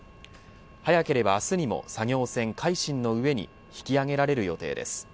早ければ明日にも作業船、海進の上に引き揚げられる予定です。